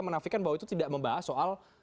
menafikan bahwa itu tidak membahas soal